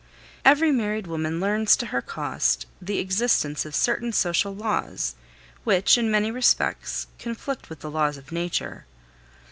Every married woman learns to her cost the existence of certain social laws, which, in many respects, conflict with the laws of nature.